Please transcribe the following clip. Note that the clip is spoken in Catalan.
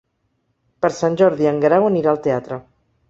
Per Sant Jordi en Guerau anirà al teatre.